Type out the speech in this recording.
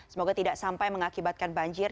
semoga tidak sampai mengakibatkan banjir